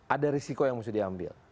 ada risiko yang mesti diambil